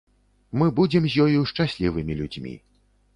Мы будзем з ёю шчаслівымі людзьмі.